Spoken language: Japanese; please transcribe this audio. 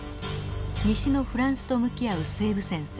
西のフランスと向き合う西部戦線。